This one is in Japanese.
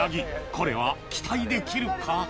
これは期待できるか？